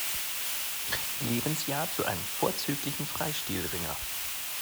Lebensjahr zu einem vorzüglichen Freistilringer.